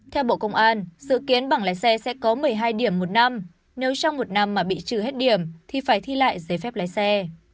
theo bộ công an dự kiến bảng lái xe sẽ có một mươi hai điểm một năm nếu trong một năm mà bị trừ hết điểm thì phải thi lại giấy phép lái xe